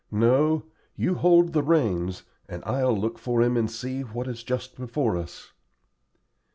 "No; you hold the reins, and I'll look for him and see what is just before us."